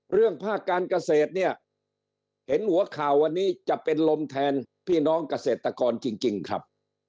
ภาคการเกษตรเนี่ยเห็นหัวข่าววันนี้จะเป็นลมแทนพี่น้องเกษตรกรจริงครับ